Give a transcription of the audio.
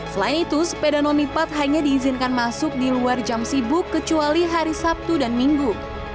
selain itu sepeda non lipat hanya diizinkan masuk di luar jam sibuk kecuali hari sabtu dan minggu